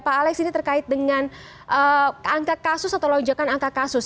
pak alex ini terkait dengan angka kasus atau lonjakan angka kasus